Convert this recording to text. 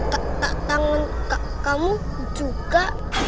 dan kakak tangan kakak kamu juga